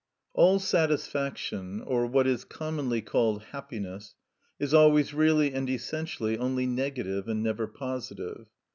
All satisfaction, or what is commonly called happiness, is always really and essentially only negative, and never positive.